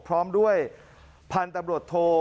พร้อมด้วยพันธุ์ตำรวจโท